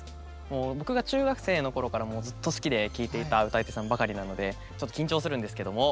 もう僕が中学生の頃からもうずっと好きで聴いていた歌い手さんばかりなのでちょっと緊張するんですけども。